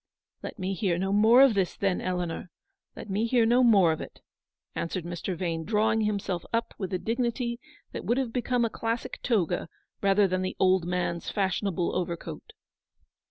" Let me hear no more of this, then, Eleanor, let me hear no more of it," answered Mr. Vane, drawing himself up with a dignity that would have become a classic toga, rather than the old man's fashionable over coat.